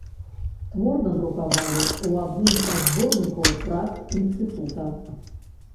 Твор надрукавалі ў адным са зборнікаў прац інстытута.